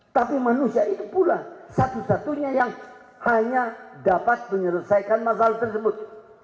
tapi manusia itu pula satu satunya yang hanya dapat menyelesaikan masalah tersebut